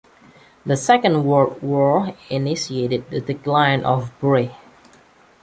The Second World War initiated the decline of Byrrh.